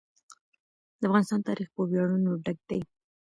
د افغانستان تاریخ په ویاړونو ډک دی.